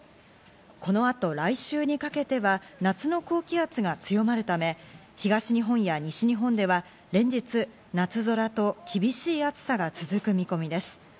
この後、来週にかけては夏の高気圧が強まるため、東日本や西日本では連日、夏空と厳しい暑さが続く見込みです。